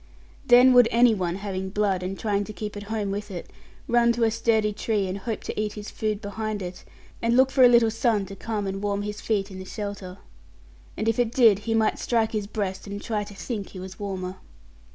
Then would any one having blood, and trying to keep at home with it, run to a sturdy tree and hope to eat his food behind it, and look for a little sun to come and warm his feet in the shelter. And if it did he might strike his breast, and try to think he was warmer.